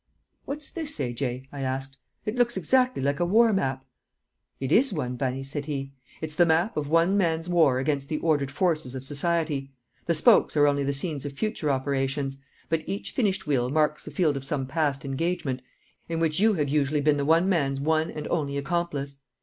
"What's this, A.J.?" I asked. "It looks exactly like a war map." "It is one, Bunny," said he; "it's the map of one man's war against the ordered forces of society. The spokes are only the scenes of future operations, but each finished wheel marks the field of some past engagement, in which you have usually been the one man's one and only accomplice."